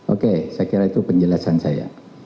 oke saya kira itu penjelasan saya